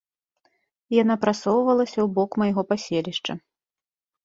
Яна прасоўвалася ў бок майго паселішча.